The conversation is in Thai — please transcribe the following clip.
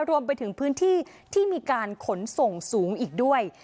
รวมไปถึงพื้นที่ที่มีการขนส่งสูงอีกด้วย